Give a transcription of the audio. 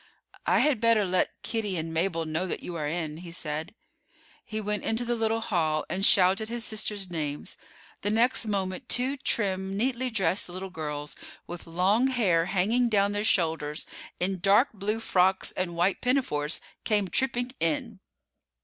"I had better let Kitty and Mabel know that you are in," he said. He went into the little hall and shouted his sisters' names. The next moment two trim, neatly dressed little girls, with long hair hanging down their shoulders, in dark blue frocks and white pinafores, came tripping in.